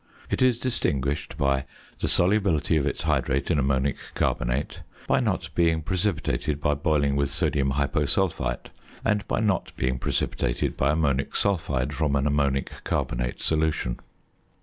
It is distinguished by the solubility of its hydrate in ammonic carbonate, by not being precipitated by boiling with sodium hyposulphite, and by not being precipitated by ammonic sulphide from an ammonic carbonate solution.